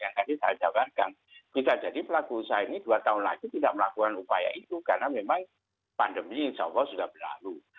yang tadi saya jawabkan kita jadi pelaku usaha ini dua tahun lagi tidak melakukan upaya itu karena memang pandemi insya allah sudah berlalu